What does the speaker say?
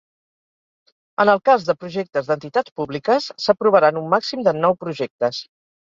En el cas de projectes d'entitats públiques, s'aprovaran un màxim de nou projectes.